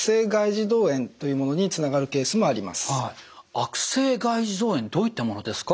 悪性外耳道炎どういったものですか？